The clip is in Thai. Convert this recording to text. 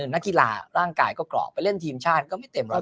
ด้านน้ำมีอยู่ในหน้ากีฬาร่างกายก็กรอกไปเล่นทีมชาติก็ไม่เต็มหรอก